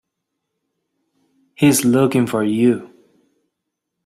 He's looking for you.